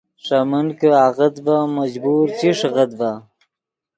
ݰے من کہ آغت ڤے مجبور چی ݰیغیت ڤے